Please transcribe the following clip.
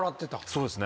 そうですね。